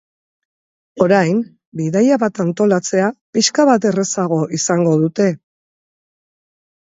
Orain, bidaia bat antolatzea pixka bat errazago izango dute.